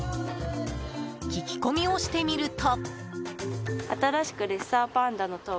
聞き込みをしてみると。